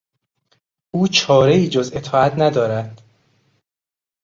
او چارهای جز اطاعت ندارد.